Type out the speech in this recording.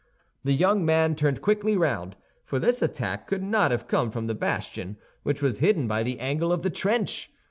The young man turned quickly round, for this attack could not have come from the bastion, which was hidden by the angle of the trench.